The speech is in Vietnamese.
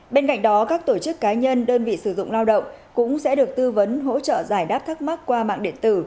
bên cạnh đó các tổ chức cá nhân đơn vị sử dụng lao động cũng sẽ được tư vấn hỗ trợ giải đáp thắc mắc qua mạng điện tử